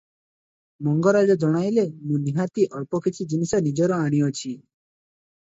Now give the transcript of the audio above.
ମଙ୍ଗରାଜ ଜଣାଇଲେ, "ମୁଁ ନିହାତି ଅଳ୍ପ କିଛି ଜିନିଷ ନଜର ଆଣିଅଛି ।"